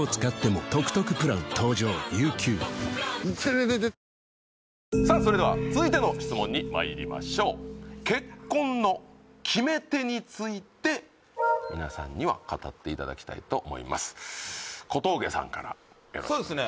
ニトリさあそれでは続いての質問にまいりましょう結婚の決め手についてみなさんには語っていただきたいと思います小峠さんからそうですね